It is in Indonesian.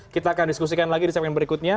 kita akan diskusikan lagi di segmen berikutnya